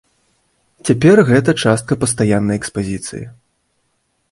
Цяпер гэта частка пастаяннай экспазіцыі.